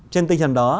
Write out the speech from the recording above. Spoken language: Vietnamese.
trên tinh thần đó